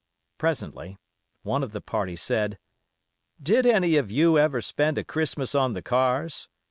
Presently, one of the party said: "Did any of you ever spend a Christmas on the cars?